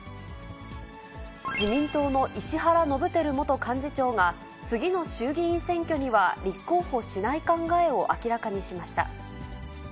自民党の石原伸晃元幹事長が、次の衆議院選挙には立候補しない考えを明らかにしました。